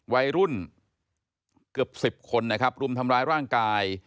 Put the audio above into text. วัยรุ่นเกือบ๑๐คนนะครับรุมทำร้ายร่างกาย